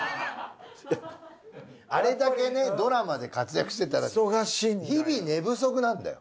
あれだけねドラマで活躍してたら日々寝不足なんだよ